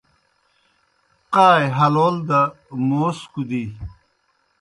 قائے ہلول دہ موس کُدی